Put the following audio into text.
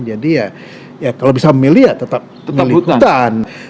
jadi ya kalau bisa memilih ya tetap hutan